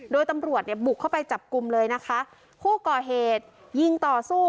โดยตำรวจเนี่ยบุกเข้าไปจับกลุ่มเลยนะคะผู้ก่อเหตุยิงต่อสู้